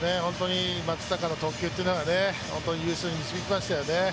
松坂の投球っていうのは優勝に導きましたね。